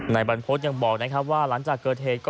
นายบรรพชูดเรียนบ่อยนะว่าหลังจากเกิดเหตุ